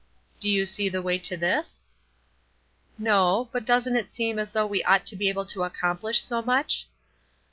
"Do you see the way to this?" "No, but doesn't it seem as though we ought to be able to accomplish so much?"